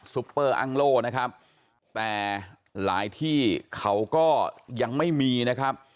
ปเปอร์อังโล่นะครับแต่หลายที่เขาก็ยังไม่มีนะครับ